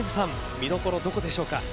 見どころどこでしょうか。